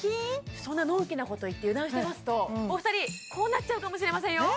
そんなのんきなこと言って油断してますとお二人こうなっちゃうかもしれませんよ